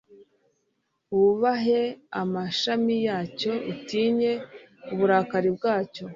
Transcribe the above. Wubahe amashami yacyo utinye uburakari bwayo